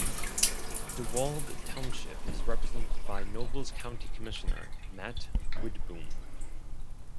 Dewald Township is represented by Nobles County Commissioner Matt Widboom.